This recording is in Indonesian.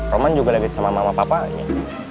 roman juga lagi sama mama papa aja